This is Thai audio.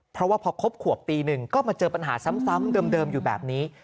เพราะว่าพอครบขวบตีหนึ่งก็มาเจอปัญหาซ้ำเดิมอยู่แบบนี้